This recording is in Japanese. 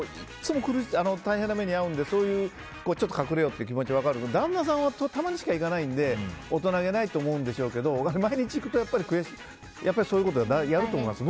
大変な目に遭うので隠れようっていう気持ちは分かるけど旦那さんはたまにしか行かないんで大人げないと思うんですけど毎日行くとそういうことをやると思います。